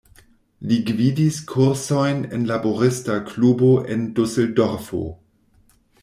Li gvidis kursojn en laborista klubo en Duseldorfo.